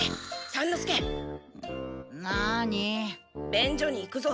便所に行くぞ。